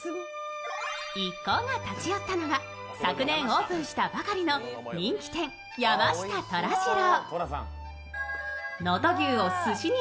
一行が立ち寄ったのが、昨年オープンしたばかりの人気店、山下寅次郎。